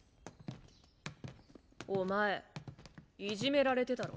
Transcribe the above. お前いじめられてたろ？